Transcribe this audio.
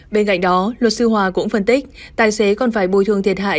bên cạnh đó luật sư hòa cũng phân tích tài xế còn phải bồi thường thiệt hại